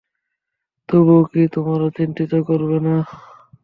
তবুও কি তোমরা চিন্তা করবে না?